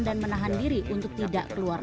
dan menahan diri untuk tidak keluar negeri